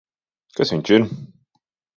Kas viņš ir?